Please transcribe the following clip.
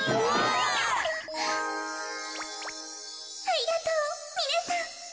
ありがとうみなさん。